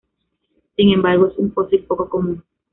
Sin embargo, es un fósil poco común.